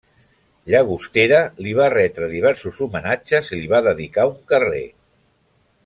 Llagostera li va retre diversos homenatges i li va dedicar un carrer.